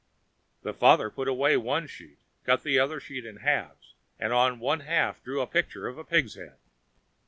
The father put away one sheet, cut the other sheet in halves, and on one half drew a picture of a pig's head.